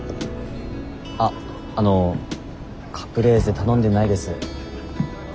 あっあのカプレーゼ頼んでないです。